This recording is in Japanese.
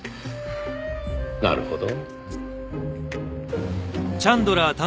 なるほど。